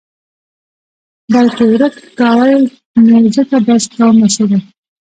بلکې ورک کاوه یې نو ځکه داسې کومه څېره.